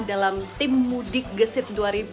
dalam tim mudik gesit dua ribu dua puluh